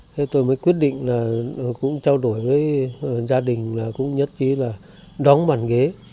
thế tôi mới quyết định là cũng trao đổi với gia đình là cũng nhất trí là đóng bàn ghế